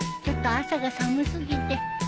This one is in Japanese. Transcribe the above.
ちょっと朝が寒過ぎて。